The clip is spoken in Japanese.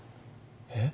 えっ？